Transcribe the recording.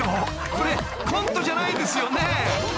［これコントじゃないですよね？］